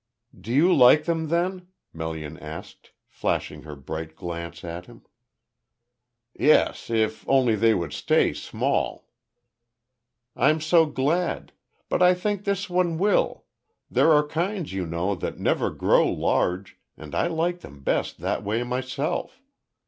"Do you like them, then?" Melian asked, flashing her bright glance at him. "Yes, if only they would stay small." "I'm so glad. But I think this one will, there are kinds, you know, that never grow large, and I like them best that way myself."